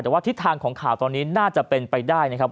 แต่ว่าทิศทางของข่าวตอนนี้น่าจะเป็นไปได้นะครับ